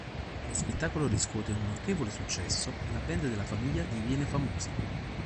Lo spettacolo riscuote un notevole successo e la band della famiglia diviene famosa.